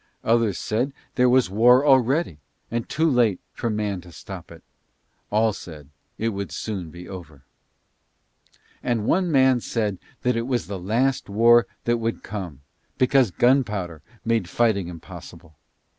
Others said that there was war already, and too late for man to stop it. All said it would soon be over. And one man said that it was the last war that would come, because gunpowder made fighting impossible.